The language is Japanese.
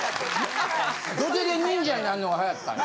土手で忍者になるのが流行ったんや。